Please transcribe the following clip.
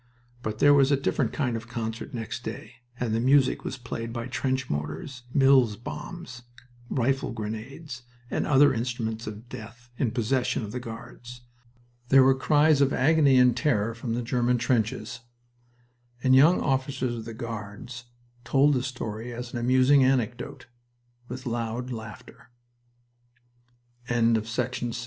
But there was a different kind of concert next day, and the music was played by trench mortars, Mills bombs, rifle grenades, and other instruments of death in possession of the Guards. There were cries of agony and terror from the German trenches, and young officers of the Guards told the story as an amusing anecdote, with loud laughter. XVI It was astonishing how